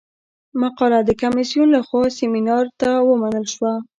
مقاله د کمیسیون له خوا سیمینار ته ومنل شوه.